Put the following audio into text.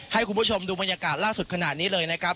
ให้คุณผู้ชมดูบรรยากาศล่าสุดขนาดนี้เลยนะครับ